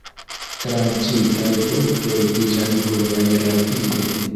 Tranĉitaj fruktoj iĝas brunaj rapide.